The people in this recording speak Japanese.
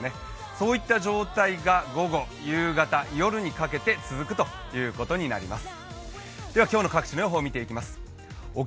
そういった状態が午後、夕方、夜にかけて続くということになります。